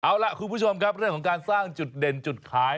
เอาล่ะคุณผู้ชมครับเรื่องของการสร้างจุดเด่นจุดขาย